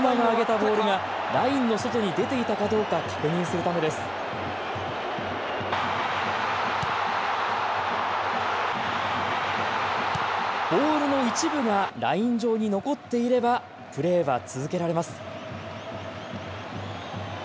ボールの一部がライン上に残っていればプレーは続けられます。